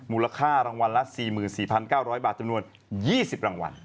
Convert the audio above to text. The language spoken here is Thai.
มูลค่ารางวัลละ๔๔๙๐๐บาทจำนวน๒๐รางวัล